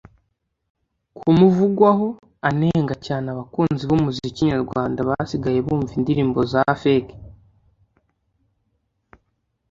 kumuvugwaho, anenga cyane abakunzi b'umuziki nyarwanda basigaye bumva indirimbo za feke